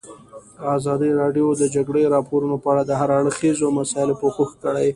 ازادي راډیو د د جګړې راپورونه په اړه د هر اړخیزو مسایلو پوښښ کړی.